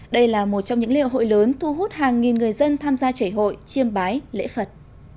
đây là một trong những liệu hội lớn thu hút hàng nghìn người dân tham gia chảy hội chiêm bái lễ phật